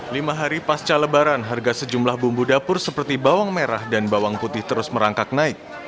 lima hari pasca lebaran harga sejumlah bumbu dapur seperti bawang merah dan bawang putih terus merangkak naik